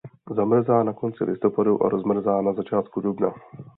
Zamrzá na konci listopadu a rozmrzá na začátku dubna.